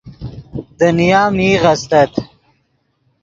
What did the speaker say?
دنیا میغ استت